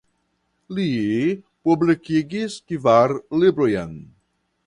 Li publikigis kvar librojn.